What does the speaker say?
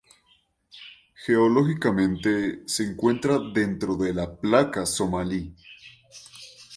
Geológicamente, se encuentra dentro de la placa somalí.